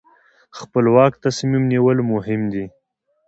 خپلواک تصمیم نیول مهم دي.